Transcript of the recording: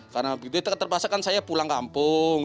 karena begitu terpaksa kan saya pulang kampung